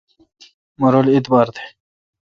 مہ رل اعبار تھ۔